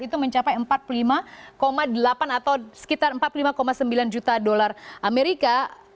itu mencapai empat puluh lima delapan atau sekitar empat puluh lima sembilan juta dolar amerika